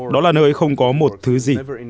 đó là nơi không có một thứ gì